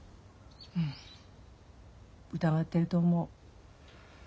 うん疑ってると思う。